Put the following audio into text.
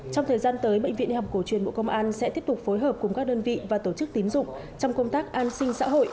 trong thời gian tới bệnh viện y học cổ truyền bộ công an sẽ tiếp tục phối hợp cùng các đơn vị và tổ chức tín dụng trong công tác an sinh xã hội